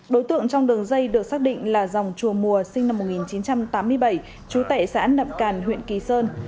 đối tượng trong đường dây được xác định là dòng chùa mùa sinh năm một nghìn chín trăm tám mươi bảy chú tẻ xã nập càn huyện kỳ sơn